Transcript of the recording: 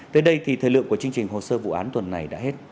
tới đây thì thời lượng của chương trình hồ sơ vụ án tuần này đã hết